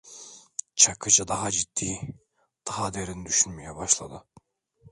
Çakıcı daha ciddi, daha derin düşünmeye başladı.